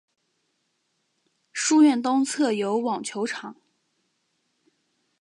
书院东侧有网球场。